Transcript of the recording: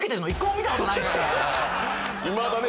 いまだね。